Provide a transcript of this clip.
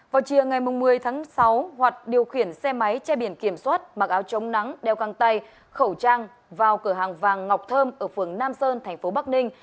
vào chiều ngày một mươi tháng sáu hoạt điều khiển xe máy che biển kiểm soát mặc áo chống nắng đeo găng tay khẩu trang vào cửa hàng vàng ngọc thơm ở phường nam sơn thành phố bắc ninh